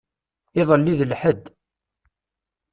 Iḍelli d lḥedd.